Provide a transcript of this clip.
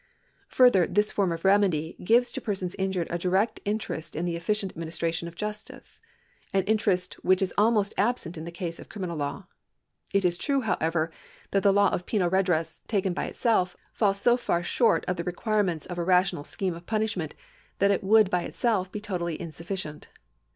Further, this form of remedy gives to the persons injured a direct interest in the efficient administration of justice — an interest which is almost absent in the case of the criminal law. It is true, however, that the law of penal redress, taken by itself, falls so far short of the requirements of a rational scheme of punishment that it would by itself be totally insufficient.